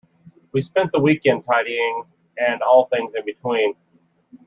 We spent the weekend tidying and all things in-between.